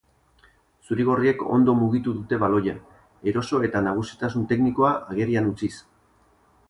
Zurigorriek ondo mugitu dute baloia, eroso eta nagusitasun teknikoa agerian utziz.